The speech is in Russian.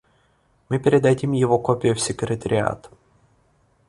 Мы передадим его копию в секретариат.